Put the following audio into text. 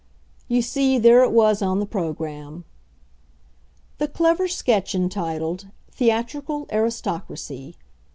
You see, there it was on the program: THE CLEVER SKETCH ENTITLED THEATRICAL ARISTOCRACY.